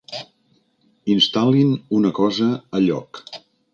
Instal·lin una cosa a lloc.